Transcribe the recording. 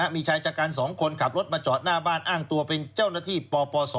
มีชายจัดการ๒คนขับรถมาจอดหน้าบ้านอ้างตัวเป็นเจ้าหน้าที่ปปศ